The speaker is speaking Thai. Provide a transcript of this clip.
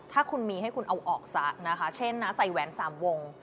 ถ้าคุณมีให้คุณเอาออกซะนะคะเช่นนะใส่แหวน๓วง